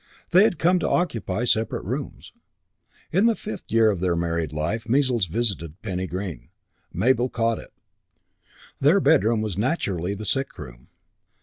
They had come to occupy separate rooms. In the fifth year of their married life measles visited Penny Green. Mabel caught it. Their bedroom was naturally the sick room.